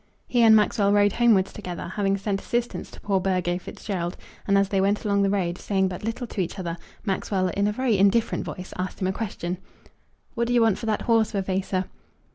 He and Maxwell rode homewards together, having sent assistance to poor Burgo Fitzgerald; and as they went along the road, saying but little to each other, Maxwell, in a very indifferent voice, asked him a question. "What do you want for that horse, Vavasor?"